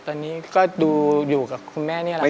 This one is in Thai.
ตอนนี้ก็ดูอยู่กับคุณแม่นี่แหละค่ะ